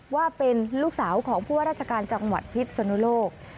ว่าเป็นลูกสาวของผู้ว่าราชการจังหวัดพิษสนุโลก